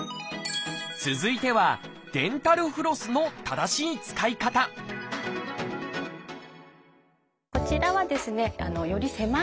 続いてはデンタルフロスの正しい使い方こちらはですねより狭い所